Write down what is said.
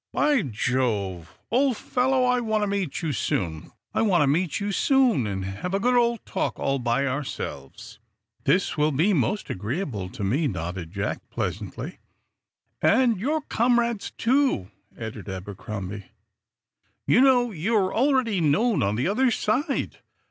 "By Jove, old fellow, I want to meet you soon and have a good old talk all by ourselves." "That will be most agreeable to me," nodded Jack, pleasantly. "And your comrades, too," added Abercrombie. "You know, you're already known on the other side.